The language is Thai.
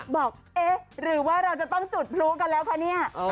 บอกเอ๊ะหรือว่าเราจะต้องจุดพลุกันแล้วคะเนี่ย